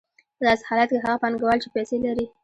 په داسې حالت کې هغه پانګوال چې پیسې لري